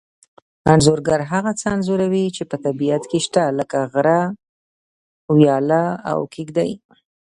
انځورګر هغه څه انځوروي چې په طبیعت کې شته لکه غره ویاله او کېږدۍ